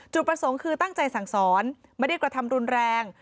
ประสงค์คือตั้งใจสั่งสอนไม่ได้กระทำรุนแรง